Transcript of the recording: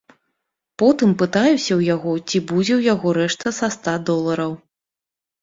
Потым пытаюся ў яго, ці будзе ў яго рэшта са ста долараў.